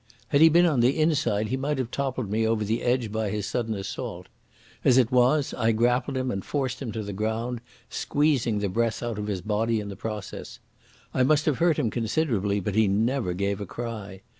Had he been on the inside he might have toppled me over the edge by his sudden assault. As it was, I grappled him and forced him to the ground, squeezing the breath out of his body in the process. I must have hurt him considerably, but he never gave a cry.